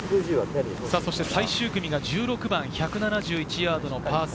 そして最終組が１６番１７１ヤードのパー３。